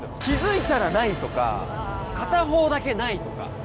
気付いたらないとか片方だけないとか。